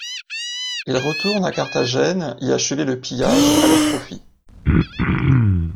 Ils retournent à Carthagène y achever le pillage, à leur profit.